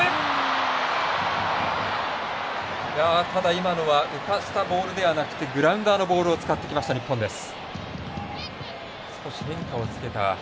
今のは浮かせたボールではなくてグラウンダーのボールを使ってきました日本です。